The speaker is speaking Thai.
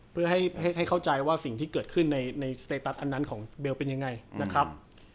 เพื่อให้เข้าใจว่าสิ่งที่เกิดขึ้นในสเตตัสอันนั้นของเบลเป็นยังไงนะครับ